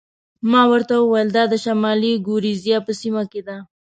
ما ورته وویل: دا د شمالي ګوریزیا په سیمه کې ده.